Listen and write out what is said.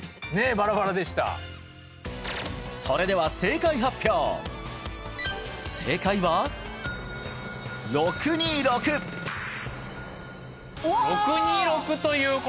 バラバラでしたそれでは正解発表正解は「６２６」うわ！